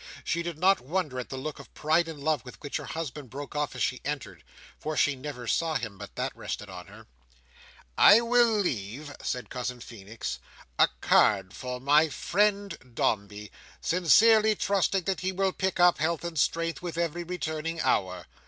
She did not wonder at the look of pride and love with which her husband broke off as she entered; for she never saw him, but that rested on her. "I will leave," said Cousin Feenix, "a card for my friend Dombey, sincerely trusting that he will pick up health and strength with every returning hour.